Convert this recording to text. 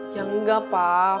ya enggak pak